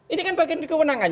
ini kan bagian dari kewenangan